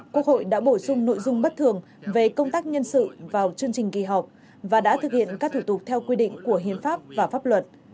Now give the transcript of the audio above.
quốc hội đã bổ sung nội dung bất thường về công tác nhân sự vào chương trình kỳ họp và đã thực hiện các thủ tục theo quy định của hiến pháp và pháp luật